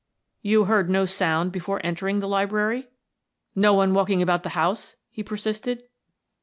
"You heard no sound before entering the library?" "No one walking about the house?" he persisted.